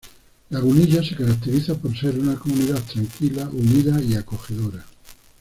Lagunilla se caracteriza por ser una comunidad tranquila, unida y acogedora.